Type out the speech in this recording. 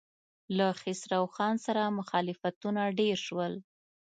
له خسرو خان سره مخالفتونه ډېر شول.